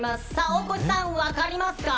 大越さん、分かりますか？